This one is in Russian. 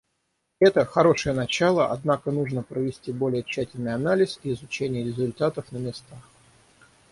Это — хорошее начало, однако нужно провести более тщательный анализ и изучение результатов на местах.